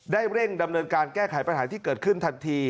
เร่งดำเนินการแก้ไขปัญหาที่เกิดขึ้นทันที